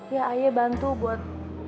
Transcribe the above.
ya ayah bantu buat